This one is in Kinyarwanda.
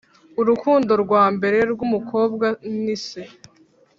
“urukundo rwa mbere rw'umukobwa ni se.”